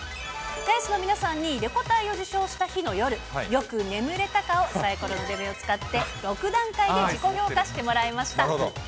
ダイスの皆さんに、レコ大を受賞した日の夜、よく眠れたかをさいころの目を使って６段階で自己評価してもらいました。